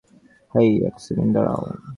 হেই, এক সেকেন্ড দাঁড়াও!